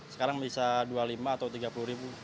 sekarang bisa dua puluh lima atau tiga puluh ribu